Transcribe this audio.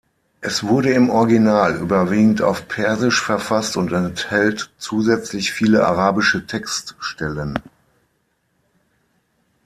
Es wurde im Original überwiegend auf persisch verfasst und enthält zusätzlich viele arabische Textstellen.